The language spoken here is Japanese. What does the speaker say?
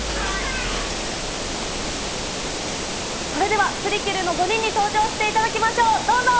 それではプリキルの５人に登場していただきましょう。